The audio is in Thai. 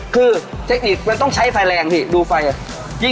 คือเทคนิคมันต้องใช้ไฟแรงพี่ดูไฟอ่ะ